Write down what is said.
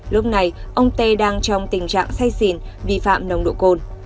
lúc này ông t đang trong tình trạng say xỉn vi phạm nồng độ côn